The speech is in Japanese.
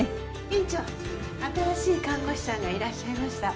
「院長新しい看護師さんがいらっしゃいました」